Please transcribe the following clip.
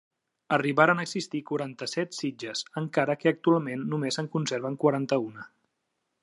Arribaren a existir quaranta-set sitges, encara que actualment només se'n conserven quaranta-una.